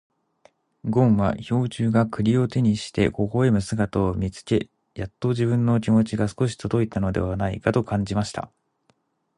ごんは兵十が栗を手にして微笑む姿を見つけ、やっと自分の気持ちが少し届いたのではないかと感じました。